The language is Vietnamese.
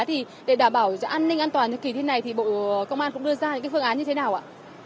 thưa thượng tá để đảm bảo an ninh an toàn cho kỳ thi này thì bộ công an cũng đưa ra những phương án như thế nào ạ